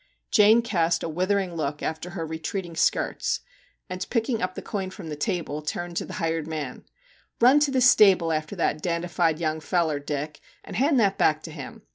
Jane cast a withering look after her retreat ing skirts, and picking the coin from the table, MR. JACK HAMLIN'S MEDIATION 31 turned to the hired man. * Run to the stable after that dandified young feller, Dick, and hand that back to him.